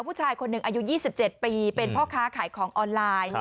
ผู้ชายคนหนึ่งอายุ๒๗ปีเป็นพ่อค้าขายของออนไลน์